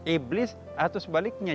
iblis atau sebaliknya